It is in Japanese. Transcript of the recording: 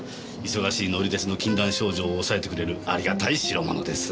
忙しい乗り鉄の禁断症状を抑えてくれるありがたい代物です。